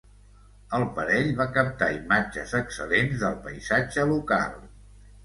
El parell va captar imatges excel·lents del paisatge local.